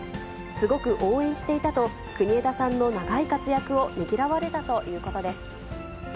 すごく応援していたと、国枝さんの長い活躍をねぎらわれたということです。